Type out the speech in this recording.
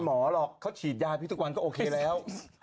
หมอหรอกเขาฉีดยาพี่ทุกวันก็โอเคแล้ว